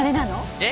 えっ？